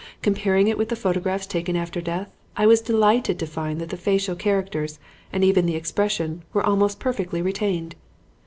Comparing it with the photographs taken after death, I was delighted to find that the facial characters and even the expression were almost perfectly retained.